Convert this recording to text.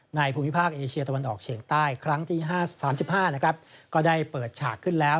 ภูมิภาคเอเชียตะวันออกเฉียงใต้ครั้งที่๓๕นะครับก็ได้เปิดฉากขึ้นแล้ว